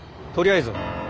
とりあえず。